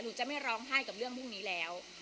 หนูจะไม่ร้องไห้กับเรื่องพวกนี้แล้ว